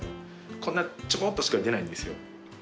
こんなちょこっとしか出ないんですよ。